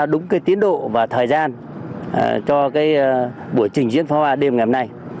đúng cái tiến độ và thời gian cho buổi trình diễn pháo hoa đêm ngày hôm nay